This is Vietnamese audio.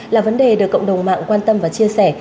là vấn đề được cộng đồng mạng quan tâm và chia sẻ